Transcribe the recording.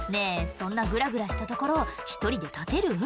そんなグラグラした所１人で立てる？